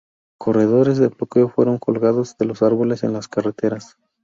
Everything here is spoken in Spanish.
Corredores de bloqueo fueron colgados de los árboles en las carreteras.